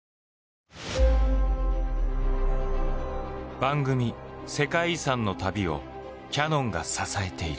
番組「世界遺産」の旅をキヤノンが支えている。